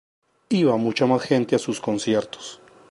Iba mucha más gente a sus conciertos.